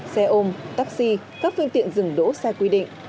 xe ôm taxi các phương tiện dừng đỗ sai quy định